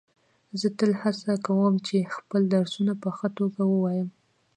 زه تل هڅه کوم چي خپل درسونه په ښه توګه ووایم.